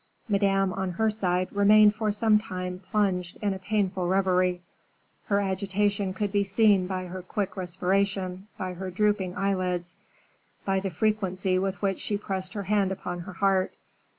Madame, on her side, remained for some time plunged in a painful reverie. Her agitation could be seen by her quick respiration, by her drooping eyelids, by the frequency with which she pressed her hand upon her heart.